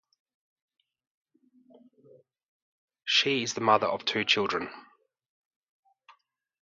She is the mother of two children.